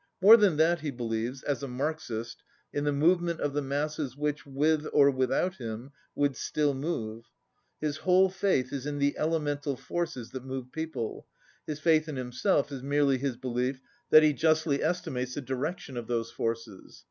More than that, he believes, as a Marxist, in the movement of the masses which, with or without him, would still move. His whole faith is in the elemental forces that move people, his faith in himself is merely his belief that he justly estimates the direction of those forces.